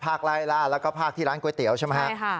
ไล่ล่าแล้วก็ภาคที่ร้านก๋วยเตี๋ยวใช่ไหมครับ